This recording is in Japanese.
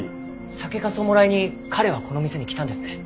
酒粕をもらいに彼はこの店に来たんですね。